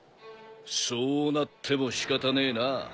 そうなっても仕方ねえな。